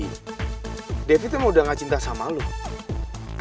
gini deh kalau emang lu gak bisa ngedapetin devi